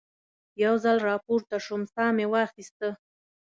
یو ځل را پورته شوم، ساه مې واخیسته.